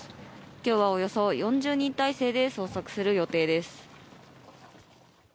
今日はおよそ４０人態勢で捜索する予定です。